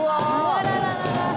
あららららら。